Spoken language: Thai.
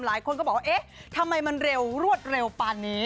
หลายคนก็บอกว่าเอ๊ะทำไมมันเร็วรวดเร็วปานนี้